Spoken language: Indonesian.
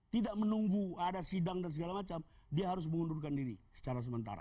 tidak menunggu ada sidang dan segala macam dia harus mengundurkan diri secara sementara